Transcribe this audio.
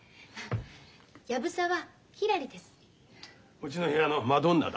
うちの部屋のマドンナだ。